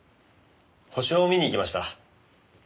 星を見に行きました。